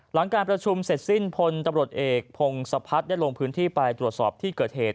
หลังการประชุมเสร็จสิ้นพลตำรวจเอกพงศพัฒน์ได้ลงพื้นที่ไปตรวจสอบที่เกิดเหตุ